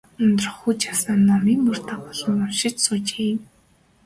Ундрах хүж асаан, номын мөр дагуулан уншиж суужээ.